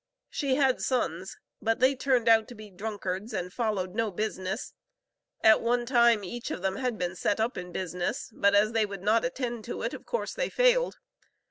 She had sons, but they turned out to be drunkards, and followed no business; at one time, each of them had been set up in business, but as they would not attend to it, of course they failed.